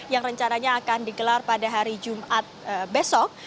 yang rencananya akan digelar pada hari jumat besok